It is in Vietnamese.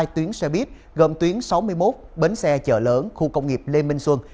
hai tuyến xe buýt gồm tuyến sáu mươi một bến xe chợ lớn khu công nghiệp lê minh xuân